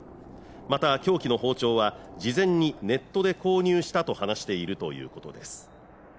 また凶器の包丁は事前にネットで購入したと話しているということです